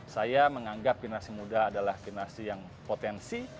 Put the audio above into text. saya menganggap generasi muda adalah generasi yang potensi